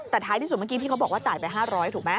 แต่ท้ายที่สุดเมื่อกี้พี่เขาบอกว่าจ่ายไป๕๐๐ถูกไหม